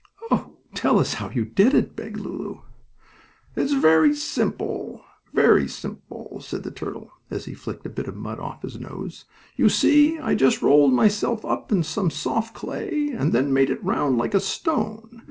"Oh, tell us how you did it!" begged Lulu. "It was very simple, very simple," said the turtle, as he flicked a bit of mud off his nose. "You see, I just rolled myself up in some soft clay, and then made it round like a stone.